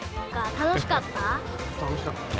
楽しかったね。